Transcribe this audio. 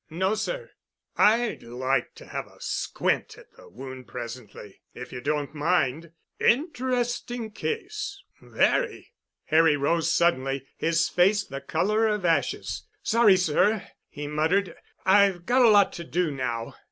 "No sir." "I'd like to have a squint at the wound presently, if you don't mind. Interesting case. Very." Harry rose suddenly, his face the color of ashes. "Sorry, sir," he muttered, "I've got a lot to do now.